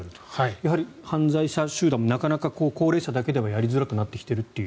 やはり犯罪者集団もなかなか高齢者だけではやりづらくなってきているという。